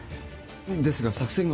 ですが作戦が。